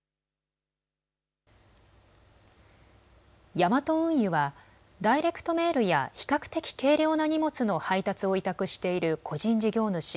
ヤマト運輸はダイレクトメールや比較的軽量な荷物の配達を委託している個人事業主